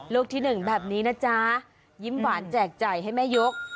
ที่หนึ่งแบบนี้นะจ๊ะยิ้มหวานแจกจ่ายให้แม่ยก